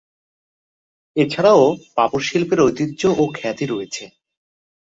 এ ছাড়াও পাপড় শিল্পের ঐতিহ্য ও খ্যাতি রয়েছে।